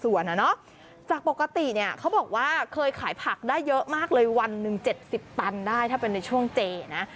ส่วนจากปกติเนี่ยเขาบอกว่าเคยขายผักได้เยอะมากเลยวันหนึ่ง๗๐ตันได้ถ้าเป็นในช่วงเจนะ